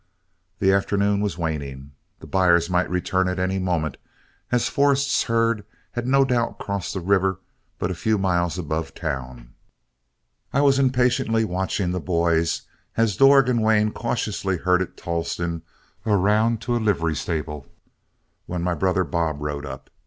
The afternoon was waning. The buyers might return at any moment, as Forrest's herd had no doubt crossed the river but a few miles above town. I was impatiently watching the boys, as Dorg and Wayne cautiously herded Tolleston around to a livery stable, when my brother Bob rode up.